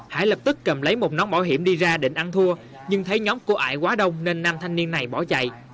hải lập tức cầm lấy một nón bảo hiểm đi ra định ăn thua nhưng thấy nhóm của ải quá đông nên nam thanh niên này bỏ chạy